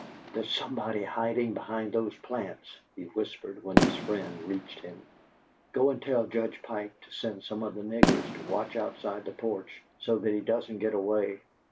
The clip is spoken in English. "There's somebody hiding behind those plants," he whispered, when his friend reached him. "Go and tell Judge Pike to send some of the niggers to watch outside the porch, so that he doesn't get away.